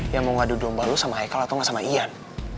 yang mau ngadu domba lu sama haikal atau nggak sama ian